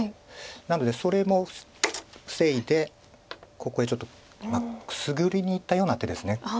なのでそれも防いでここへちょっとくすぐりにいったような手です。